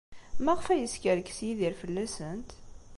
Maɣef ay yeskerkes Yidir fell-asent?